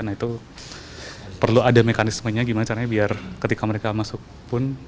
nah itu perlu ada mekanismenya gimana caranya biar ketika mereka masuk pun